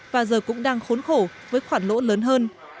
và giờ cũng đang khốn khổ với khoản lỗ lớn hơn